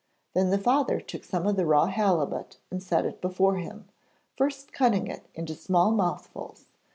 Then the father took some of the raw halibut and set it before him, first cutting it into small mouthfuls.